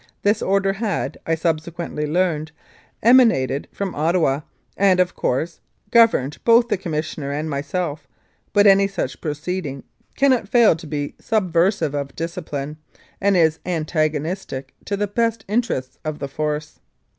This order had, I subsequently learned, emanated from Ottawa, and, of course, governed both the Commissioner and myself ; but any such proceeding cannot fail to be subversive of discipline, and is antagonistic to the best interests of the Force.